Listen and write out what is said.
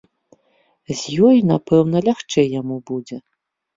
З ёй напэўна лягчэй яму будзе.